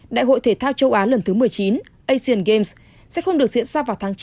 đại hội thể thao châu á lần thứ một mươi chín asian games sẽ không được diễn ra vào tháng chín